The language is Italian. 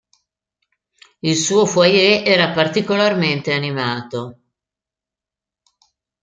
Il suo foyer era particolarmente animato.